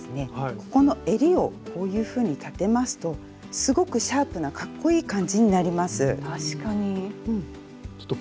ここのえりをこういうふうに立てますとすごくシャープなかっこいい感じになります。